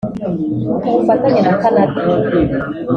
Ku bufatanye na Canada